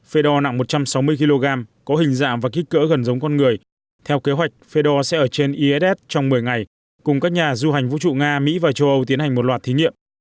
fedor nặng một trăm sáu mươi kg có hình dạng và kích cỡ gần giống con người theo kế hoạch fedor sẽ ở trên iss trong một mươi ngày cùng các nhà du hành vũ trụ nga mỹ và châu âu tiến hành một loạt thí nghiệm